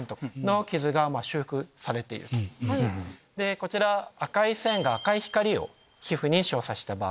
こちら赤い線が赤い光を皮膚に照射した場合。